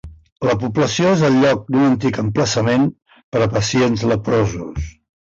La població és el lloc d'un antic emplaçament per a pacients leprosos.